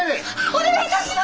お願い致します！